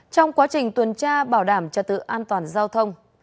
trong quá trình tuần tra bảo đảm trật tự an toàn giao thông